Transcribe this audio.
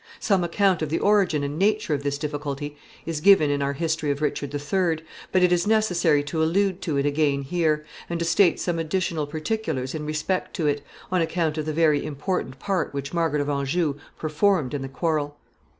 Some account of the origin and nature of this difficulty is given in our history of Richard III., but it is necessary to allude to it again here, and to state some additional particulars in respect to it, on account of the very important part which Margaret of Anjou performed in the quarrel.